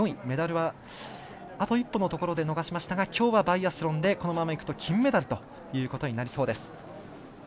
メダルは、あと一歩のところで逃しましたがきょうはバイアスロンでこのままいくと金メダルということになりそうです。